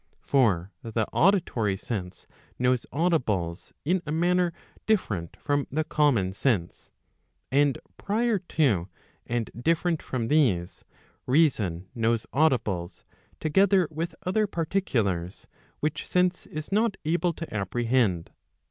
For the auditory sense knows audibles in a manner different from the common sense; and prior to, and different from these, reason knows audibles, together with other particulars which sense is not able to apprehend.